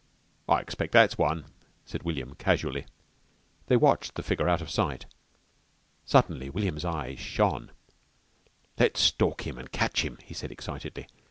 "I expect that's one," said William casually. They watched the figure out of sight. Suddenly William's eyes shone. "Let's stalk him an' catch him," he said excitedly.